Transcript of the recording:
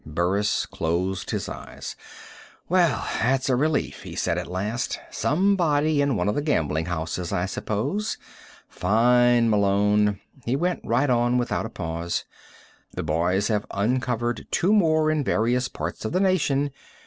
Burris closed his eyes. "Well, that's a relief," he said at last. "Somebody in one of the gambling houses, I suppose. Fine, Malone." He went right on without a pause: "The boys have uncovered two more in various parts of the nation.